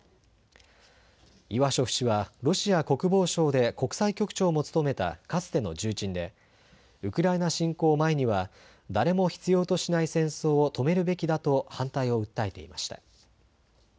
イワショフ氏はロシア国防省で国際局長も務めたかつての重鎮でウクライナ侵攻前には誰も必要としない戦争を止めるべきだと反対を訴えていました。